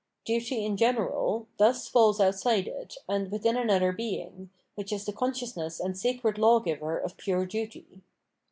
" Duty in general " thus falls outside it and within another being, which is the consciousness and sacred lawgiver of pure duty.